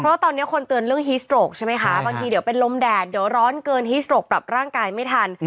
เพราะตอนนี้คนเตือนเรื่องฮิสโตรกใช่ไหมคะบางทีเดี๋ยวเป็นลมแดดเดี๋ยวร้อนเกินฮีสโตรกปรับร่างกายไม่ทัน